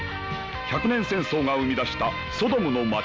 百年戦争が生み出したソドムの街。